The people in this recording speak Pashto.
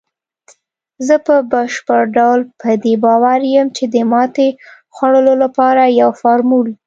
زه په بشپړ ډول په دې باور یم، چې د ماتې خوړلو لپاره یو فارمول